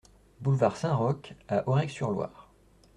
Boulevard Saint-Roch à Aurec-sur-Loire